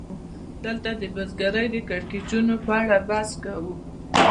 دلته د بزګرۍ د کړکېچونو په اړه بحث کوو